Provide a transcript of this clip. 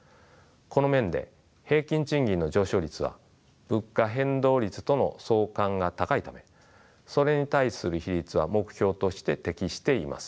この面で平均賃金の上昇率は物価変動率との相関が高いためそれに対する比率は目標として適しています。